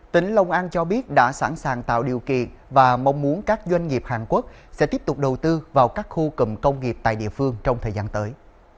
tỉnh long an cho biết đã sẵn sàng tạo điều kiện và mong muốn các doanh nghiệp hàn quốc sẽ tiếp tục đầu tư vào các khu cầm công nghiệp tại địa phương trong thời gian tới